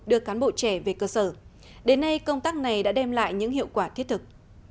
đưa cán bộ trẻ về cơ sở đến nay công tác này đã đem lại những hiệu quả thiết thực